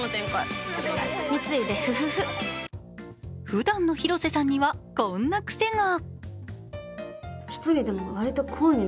ふだんの広瀬さんにはこんな癖が。